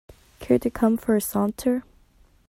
Care to come for a saunter?